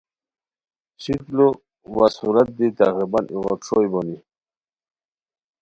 شکل وا صورت دی تقریباً ایغوت ݰوئے بونی